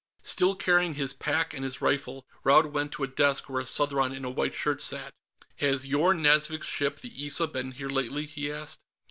Still carrying his pack and his rifle, Raud went to a desk where a Southron in a white shirt sat. "Has Yorn Nazvik's ship, the Issa, been here lately?" he asked.